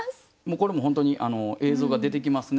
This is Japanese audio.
これもう本当に映像が出てきますね。